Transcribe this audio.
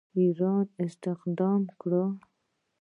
ایرانیان استخدام کړي.